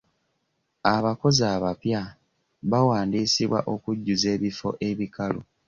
Abakozi abapya bawandiisibwa okujjuza ebifo ebikalu.